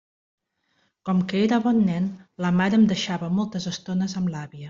Com que era bon nen, la mare em deixava moltes estones amb l'àvia.